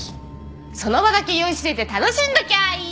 その場だけ酔いしれて楽しんどきゃいい。